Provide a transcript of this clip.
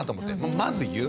まず言う。